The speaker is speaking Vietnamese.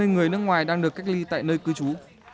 hai mươi người nước ngoài đang được cách ly tại nơi cư trú